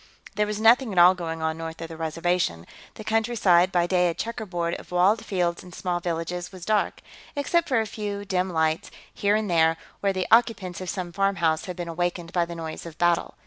There was nothing at all going on north of the Reservation; the countryside, by day a checkerboard of walled fields and small villages, was dark, except for a dim light, here and there, where the occupants of some farmhouse had been awakened by the noise of battle.